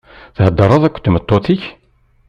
Theḍṛeḍ akked tmeṭṭut-ik?